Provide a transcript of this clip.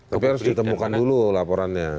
tapi harus ditemukan dulu laporannya